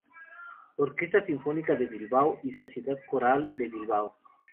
Orquesta Sinfónica de Bilbao y Sociedad Coral de Bilbao.